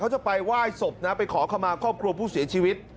เขาจะไปไหว้ศพนะไปขอขมาครอบครัวผู้เสียชีวิต